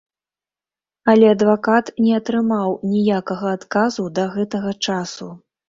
Але адвакат не атрымаў ніякага адказу да гэтага часу.